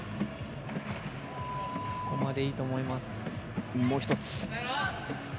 ここまで、いいと思います。